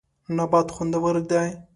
نبات خوندور دی.